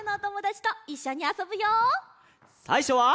さいしょは。